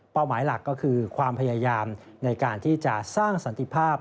หมายหลักก็คือความพยายามในการที่จะสร้างสันติภาพ